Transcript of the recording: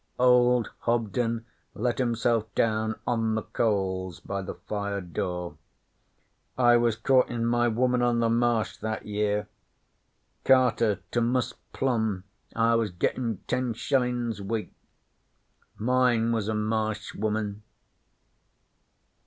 Old Hobden let himself down on the coals by the fire door. 'I was courtin' my woman on the Marsh that year. Carter to Mus' Plum I was, gettin' ten shillin's week. Mine was a Marsh woman.'